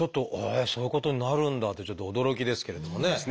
そういうことになるんだっていうちょっと驚きですけれどもね。